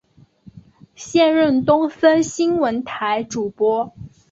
现任东森新闻台主播。